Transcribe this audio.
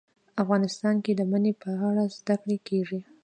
افغانستان کې د منی په اړه زده کړه کېږي.